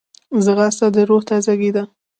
ځغاسته د روح تازګي ده